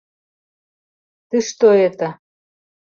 — Ты что это?